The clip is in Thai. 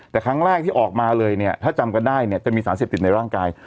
แต่ครั้งแรกที่ออกมาเลยเนี่ยถ้าจำกันได้เนี่ยจะมีสารเสพติดในร่างกาย